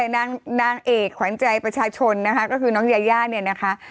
นางเอกขวัญใจประชาชนนะคะก็คือน้องยาย่าเนี่ยนะคะ